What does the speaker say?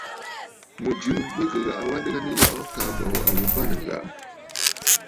Mɨ̀jɨ mɨ kɨ ghaʼa wa adɨgə nɨyɔʼɔ kaa bɨjɨ waʼà bàŋnə̀ mbə.